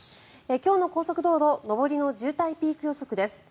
今日の高速道路上りの渋滞ピーク予測です。